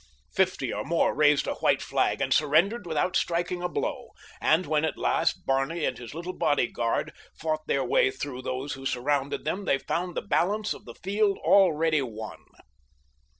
Fifty or more raised a white flag and surrendered without striking a blow, and when, at last, Barney and his little bodyguard fought their way through those who surrounded them they found the balance of the field already won.